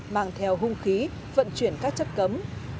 mang theo hung khí vận chuyển các chất cấm